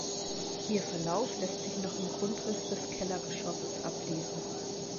Ihr Verlauf lässt sich noch im Grundriss des Kellergeschosses ablesen.